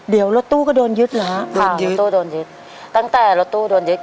เดี๋ยวรถตู้ก็โดนยึดเหรอฮะค่ะยึดตู้โดนยึดตั้งแต่รถตู้โดนยึด